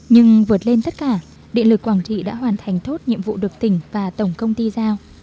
nhưng vượt lên tất cả địa lực quảng trị đã hoàn thành thốt nhiệm vụ được tỉnh và tổng công tỉnh